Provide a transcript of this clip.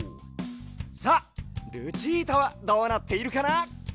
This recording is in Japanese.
さあルチータはどうなっているかな？